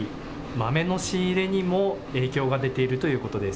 豆の仕入れにも影響が出ているということです。